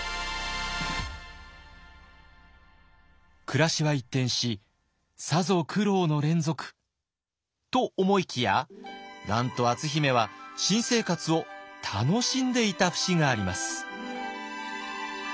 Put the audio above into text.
暮らしは一転しさぞ苦労の連続と思いきやなんと篤姫は新生活を楽しんでいた節があります。